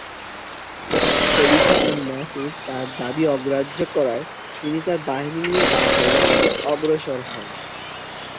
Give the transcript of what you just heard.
খলিফা আন-নাসির তার দাবি অগ্রাহ্য করায় তিনি তার বাহিনী নিয়ে বাগদাদের দিকে অগ্রসর হন।